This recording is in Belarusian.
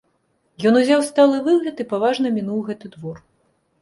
Ён узяў сталы выгляд і паважна мінуў гэты двор.